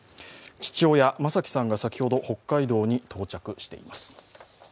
父親・正輝さんが先ほど、北海道に到着しています。